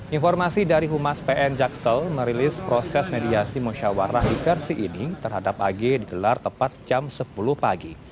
informasi dari humas pn jaksel merilis proses mediasi musyawarah diversi ini terhadap ag digelar tepat jam sepuluh pagi